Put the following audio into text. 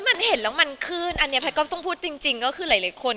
มันเห็นแล้วมันขึ้นอันนี้แพทย์ก็ต้องพูดจริงก็คือหลายคน